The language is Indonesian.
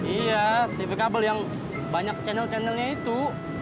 iya tv kabel yang banyak channel channelnya itu